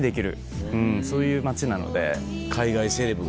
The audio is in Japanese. そういう街なので。